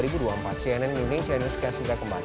cnn indonesia newscast segera kembali